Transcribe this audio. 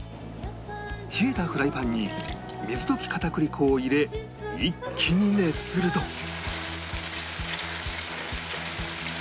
冷えたフライパンに水溶き片栗粉を入れ一気に熱すると